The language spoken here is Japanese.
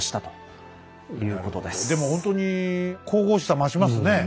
でもほんとに神々しさ増しますね。